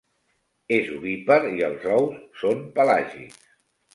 És ovípar i els ous són pelàgics.